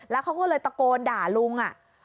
แล้วเขาก็เลยตะโกนด่าลุง